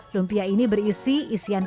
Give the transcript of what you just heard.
lumpia ini berisi isian